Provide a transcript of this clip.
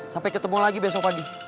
sampai ketemu lagi besok pagi